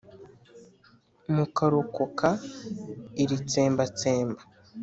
mukarokoka iri tsembatsemba